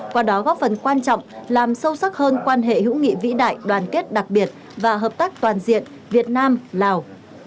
qua đó góp phần quan trọng làm sâu sắc hơn quan hệ hữu nghị vĩ đại đoàn kết đặc biệt và hợp tác toàn diện việt nam lào